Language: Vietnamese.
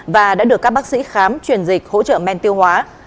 và đã được các bác sĩ khám truyền dịch hỗ trợ men tiêu hóa